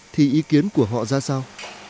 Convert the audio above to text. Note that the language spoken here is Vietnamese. thì ý kiến của họ ra sao